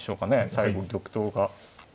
最後玉頭が。